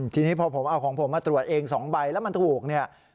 ทีนี้พอผมเอาของผมมาตรวจเอง๒ใบแล้วมันถูกเนี่ย